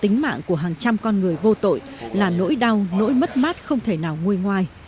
tính mạng của hàng trăm con người vô tội là nỗi đau nỗi mất mát không thể nào ngôi ngoài